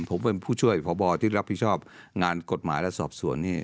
ผมเป็นผู้ช่วยพบที่รับผิดชอบงานกฎหมายและสอบสวนนี่